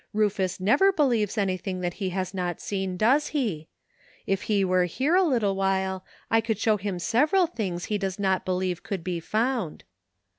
Rufus never believes any thing that he has not seen, does he? If he were here a little while 1 could show him sev eral things he does not believe could be found."